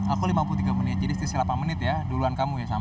aku lima puluh tiga menit jadi setidaknya delapan menit ya duluan kamu ya